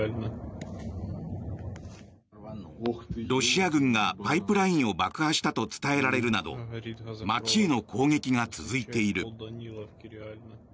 ロシア軍がパイプラインを爆破したと伝えられるなど街への攻撃が続いている。